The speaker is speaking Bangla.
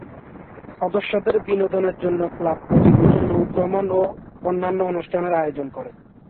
সদস্যদের বিনোদনের জন্য ক্লাব প্রতিবছর নৌভ্রমণ ও অন্যান্য অনুষ্ঠানের আয়োজন করে।